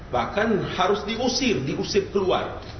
bahkan harus diusir diusir keluar